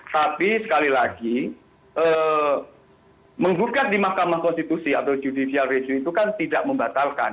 tapi sekali lagi menggugat di mahkamah konstitusi atau judicial review itu kan tidak membatalkan